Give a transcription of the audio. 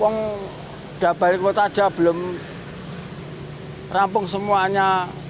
wong udah balik kota aja belum rampung semuanya